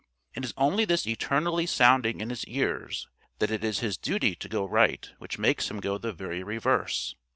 It is only this eternally sounding in his ears that it is his duty to go right which makes him go the very reverse.